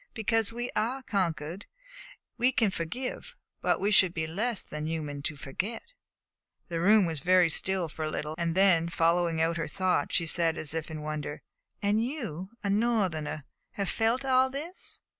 "Because we are conquered we can forgive; but we should be less than human to forget." The room was very still for a little, and then, following out her thought, she said as if in wonder: "And you, a Northerner, have felt all this!"